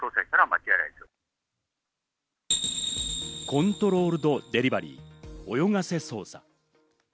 コントロールド・デリバリー、泳がせ捜査。